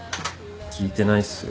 聞いてないっすよ。